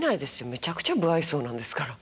めちゃくちゃ無愛想なんですから。